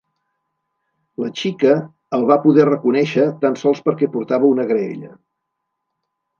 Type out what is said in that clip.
La xica el va poder reconèixer tan sols perquè portava una graella.